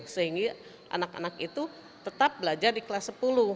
sehingga anak anak itu tetap belajar di kelas sepuluh